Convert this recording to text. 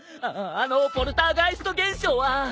ああのポルターガイスト現象は。